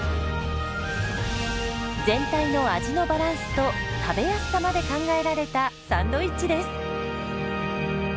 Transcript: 全体の味のバランスと食べやすさまで考えられたサンドイッチです。